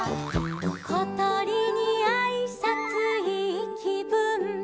「ことりにあいさついいきぶん」